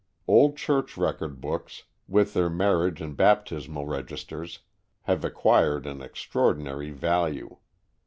Old church record books, with their marriage and baptismal registers, have acquired an extraordinary value.